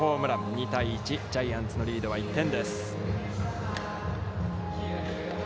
２対１、ジャイアンツのリードは１点です。